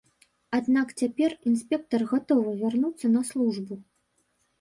Аднак цяпер інспектар гатовы вярнуцца на службу.